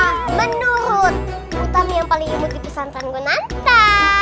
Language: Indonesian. nah menurut utama yang paling imut di pesantren gunanta